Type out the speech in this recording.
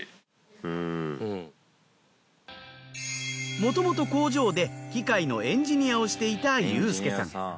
もともと工場で機械のエンジニアをしていた祐介さん。